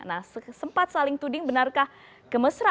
nah sempat saling tuding benarkah kemesra